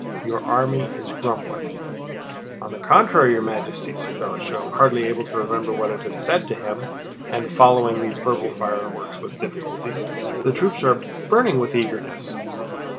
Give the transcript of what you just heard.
Your army is grumbling." "On the contrary, Your Majesty," said Balashëv, hardly able to remember what had been said to him and following these verbal fireworks with difficulty, "the troops are burning with eagerness..."